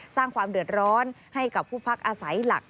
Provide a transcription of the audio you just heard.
สร้างความเดือดร้อนให้กับผู้พักอาศัยหลัก